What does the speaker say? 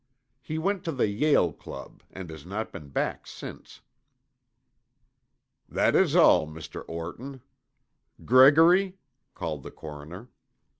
He went to the Yale Club and has not been back since." "That is all, Mr. Orton. Gregory," called the coroner.